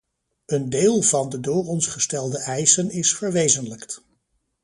Een deel van de door ons gestelde eisen is verwezenlijkt.